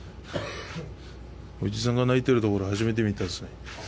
叔父さんが泣いてるところ、初めて見たっすね。